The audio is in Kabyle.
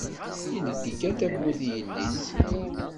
Ileddi kan tawwurt i yelli-s